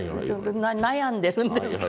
悩んでるんですから。